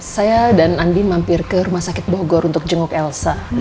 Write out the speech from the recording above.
saya dan andi mampir ke rumah sakit bogor untuk jenguk elsa